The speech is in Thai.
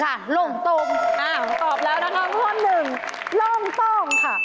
ร้านจ้อง